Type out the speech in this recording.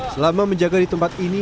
selama menjaga di tempat ini